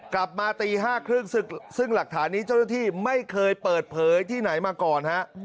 กลับมาตี๕๓๐ซึ่งหลักฐานนี้เจ้าหน้าที่ไม่เคยเปิดเผยที่ไหนมาก่อนฮะ